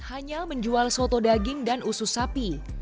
hanya menjual soto daging dan usus sapi